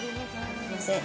すみません。